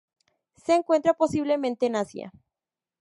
Se encuentra posiblemente en Asia.